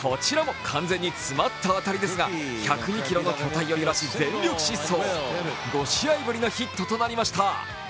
こちらも完全に詰まった当たりですが１０２ｋｇの巨体を揺らし全力疾走５試合ぶりのヒットとなりました。